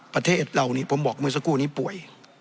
ประเทศเรานี่ผมบอกเมื่อสักครู่นี้ป่วย